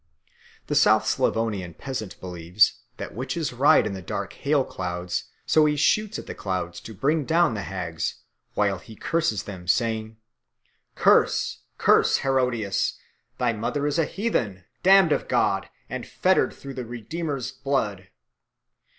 The South Slavonian peasant believes that witches ride in the dark hail clouds; so he shoots at the clouds to bring down the hags, while he curses them, saying, "Curse, curse Herodias, thy mother is a heathen, damned of God and fettered through the Redeemer's blood."